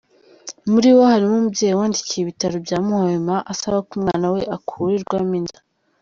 Muri bo harimo umubyeyi wandikiye Ibitaro bya Muhima asaba ko umwana we akurirwamo inda